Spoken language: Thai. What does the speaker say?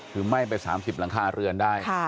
คือไหม้ไป๓๐หลังคาเรือนได้